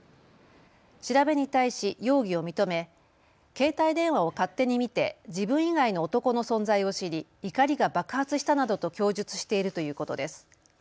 調べに対し容疑を認め携帯電話を勝手に見て自分以外の男の存在を知り怒りが爆発したなどと供述しているということです。